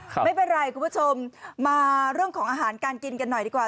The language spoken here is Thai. ไม่เป็นไรคุณผู้ชมมาเรื่องของอาหารการกินกันหน่อยดีกว่า